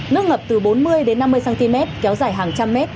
nước ngập từ bốn mươi năm mươi cm kéo dài hàng trăm mét